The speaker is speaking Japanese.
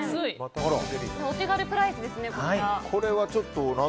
お手軽プライスですね、こちら。